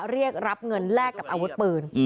เรียกรับเงินแลกกับอาวุธปืน